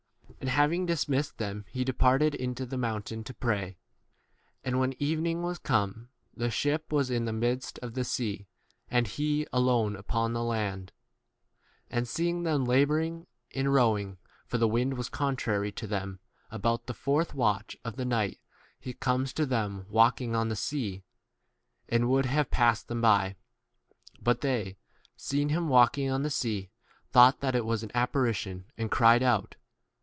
And, having dismissed them, he departed into the moun 4 ' tain to pray. And when evening was come, the ship was in the midst of the sea, and he alone 48 upon the land. And seeing* them labouring in rowing, for the wind was contrary to them, about the fourth watch of the night he comes to them walking on the sea, and would have passed them by. 49 But they, seeing him walking on the sea, thought that it was an 50 apparition, and cried out.